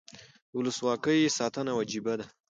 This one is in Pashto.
د ولسواکۍ ساتنه وجیبه ده